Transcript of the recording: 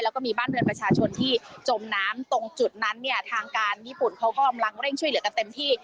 แล้วก็มีบ้านเรือนประชาชนที่จมน้ำตรงจุดนั้นเนี่ยทางการญี่ปุ่นเขาก็กำลังเร่งช่วยเหลือกันเต็มที่